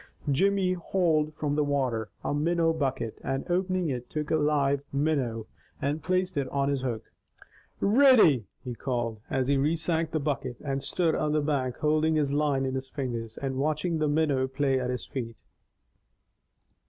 Jimmy hauled from the water a minnow bucket, and opening it, took out a live minnow, and placed it on his hook. "Riddy," he called, as he resank the bucket, and stood on the bank, holding his line in his fingers, and watching the minnow play at his feet.